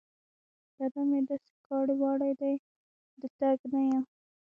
بدن مې داسې کاړې واړې دی؛ د تګ نه يم.